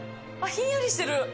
ひんやりしてる！